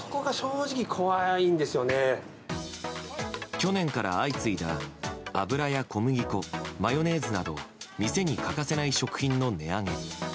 去年から相次いだ油や小麦粉、マヨネーズなど店に欠かせない食品の値上げ。